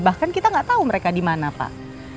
bahkan kita gak tau mereka dimana pak